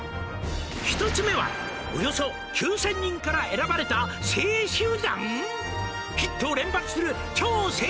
「１つ目はおよそ９０００人から選ばれた精鋭集団？」